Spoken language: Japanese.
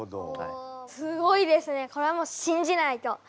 すごいですねこれはもう信じないと！